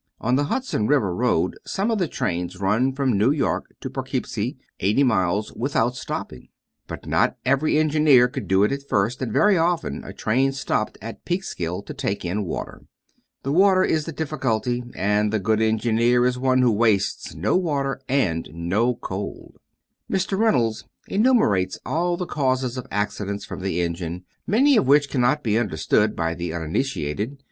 On the Hudson River road some of the trains run from New York to Poughkeepsie, eighty miles, without stopping, but not every engineer could do it at first, and very often a train stopped at Peekskill to take in water. The water is the difficulty, and the good engineer is one who wastes no water and no coal. Mr. Reynolds enumerates all the causes of accidents from the engine, many of which cannot be understood by the uninitiated.